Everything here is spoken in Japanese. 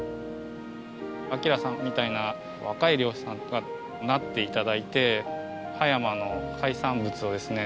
晶さんみたいな若い漁師さんがなって頂いて葉山の海産物をですね